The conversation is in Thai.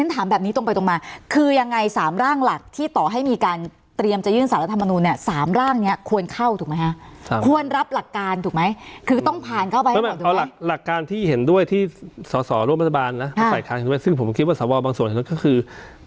ส่อร่วมพัฒนาบานนะสายค้าซึ่งผมคิดว่าสวบบางส่วนของนั้นก็คือ